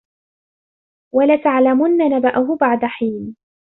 وَلَتَعلَمُنَّ نَبَأَهُ بَعدَ حينٍ